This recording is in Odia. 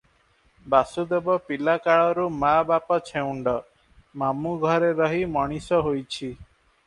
ବାସୁଦେବ ପିଲାକାଳରୁ ମା ବାପ ଛେଉଣ୍ଡ, ମାମୁ ଘରେ ରହି ମଣିଷ ହୋଇଛି ।